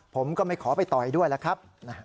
ผมก็ไม่ขอไปต่อยด้วยล่ะครับ